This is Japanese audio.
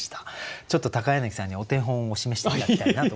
ちょっと柳さんにお手本を示して頂きたいなと思います。